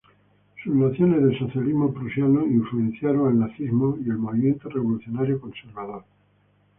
Sus nociones de socialismo prusiano influenciaron al nazismo y el movimiento revolucionario conservador.